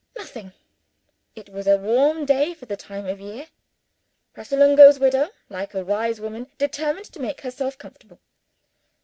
Nothing! It was a warm day for the time of year Pratolungo's widow, like a wise woman, determined to make herself comfortable.